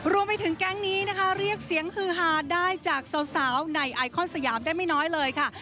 รวมไปถึงแก๊งนี้นะคะเรียกเสียงฮือฮาได้จากสาวในไอคอนสยามได้ไม่น้อยเลยค่ะ